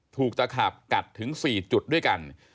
ตะขาบกัดถึง๔จุดด้วยกัน